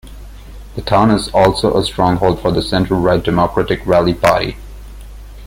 The town is also a stronghold for the centre-right Democratic Rally party.